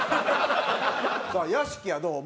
さあ屋敷はどう？